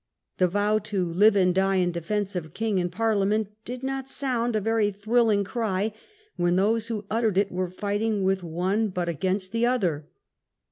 The vow "to live and die in defence of king and Parliament " did not sound a very thrilling cry when those who uttered it were fighting with one but against the other.